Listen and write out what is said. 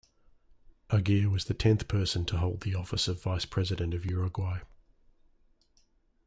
Aguirre was the tenth person to hold the office of Vice President of Uruguay.